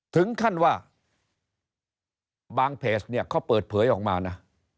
ถึงขั้นว่าบางเพจเนี่ยเขาเปิดเผยออกมานะ